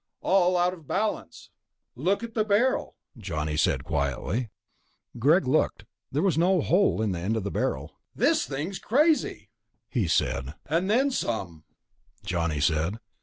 "All out of balance." "Look at the barrel," Johnny said quietly. Greg looked. There was no hole in the end of the barrel. "This thing's crazy," he said. "And then some," Johnny said.